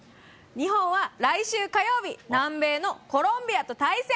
日本は来週火曜日、南米のコロンビアと対戦。